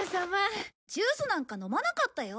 ジュースなんか飲まなかったよ。